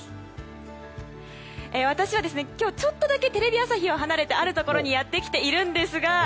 私は今日ちょっとだけテレビ朝日を離れてあるところにやってきているんですが。